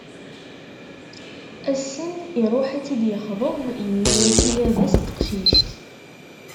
Ass-nn iruḥ ad tt-id-yexḍeb, yenna-as i baba-s n teqcict.